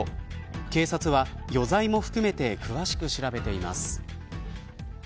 警察は余罪も含めて詳しく調べています。